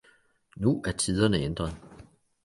Nu er tiderne ændret.